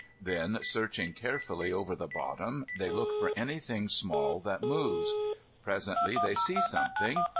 Then, searching carefully over the bottom, they look for anything small that moves. Presently they see something.